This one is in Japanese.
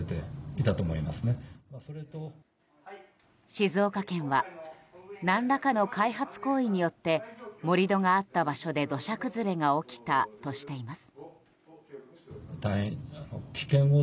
静岡県は何らかの開発行為によって盛り土があった場所で土砂崩れが起きたとしています。